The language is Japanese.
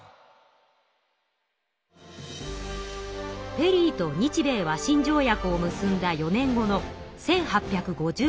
ペリーと日米和親条約を結んだ４年後の１８５８年。